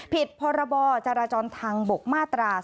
ผิดพรบจราจรทางบกมาตรา๙